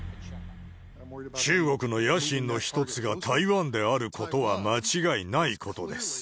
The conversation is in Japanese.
中国の野心の一つが台湾であることは間違いないことです。